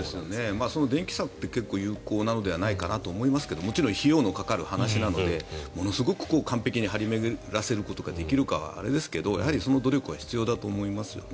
電気柵って結構有効ではないかと思いますがもちろん費用のかかる話なのでものすごく完璧に張り巡らせることができるかはあれですがその努力は必要だと思いますよね。